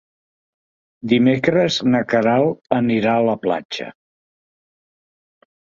Dimecres na Queralt anirà a la platja.